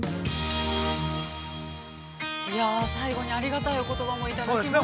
◆いや、最後にありがたいお言葉もいただきましたね。